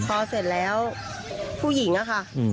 พอเสร็จแล้วผู้หญิงอะค่ะ